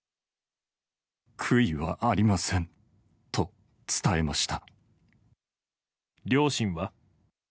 悔いはありませんと伝えまし両親は？